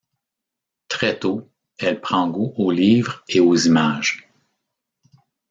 Très tôt, elle prend goût aux livres et aux images.